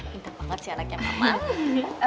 pintar banget sih anaknya mama